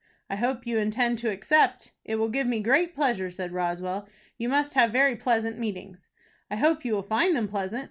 "I hope you intend to accept." "It will give me great pleasure," said Roswell. "You must have very pleasant meetings." "I hope you will find them pleasant.